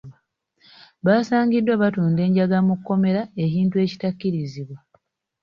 Basangiddwa batunda enjaga mu kkomera ekintu ekitakkirizibwa.